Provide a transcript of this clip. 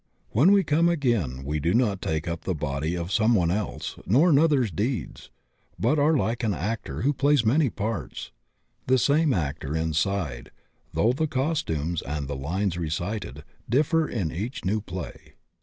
When we come again we do not take up the body of some one else, nor another's deeds, but are like an actor who plays many parts, the same actor inside though the cos tumes and the lines recited differ in each new play.